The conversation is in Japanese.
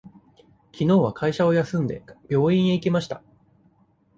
きのうは会社を休んで、病院へ行きました。